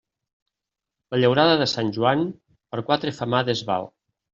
La llaurada de Sant Joan, per quatre femades val.